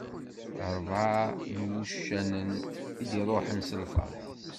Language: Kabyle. Rebɛa n wuccanen i d-iruḥen s lferḥ.